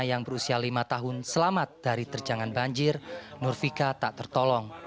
yang berusia lima tahun selamat dari terjangan banjir nurvika tak tertolong